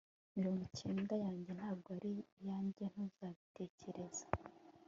Mirongo cyenda yanjye ntabwo ari iyanjye ntuzabitekereza